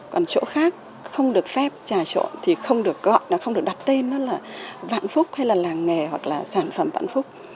còn chỗ khác không được phép trà trộn thì không được gọi nó không được đặt tên nó là vạn phúc hay là làng nghề hoặc là sản phẩm vạn phúc